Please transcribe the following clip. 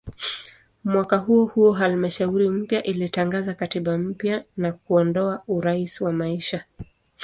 Mwaka huohuo halmashauri mpya ilitangaza katiba mpya na kuondoa "urais wa maisha".